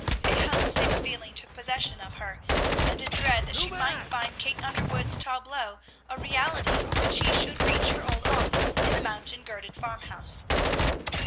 A homesick feeling took possession of her, and a dread that she might find Kate Underwood's tableaux a reality when she should reach her old aunt in the mountain girded farmhouse.